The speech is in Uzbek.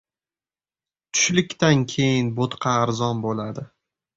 • Tushlikdan keyin bo‘tqa arzon bo‘ladi.